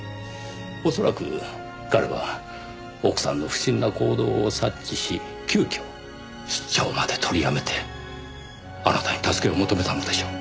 恐らく彼は奥さんの不審な行動を察知し急遽出張まで取りやめてあなたに助けを求めたのでしょう。